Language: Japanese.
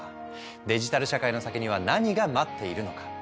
デジタル社会の先には何が待っているのか？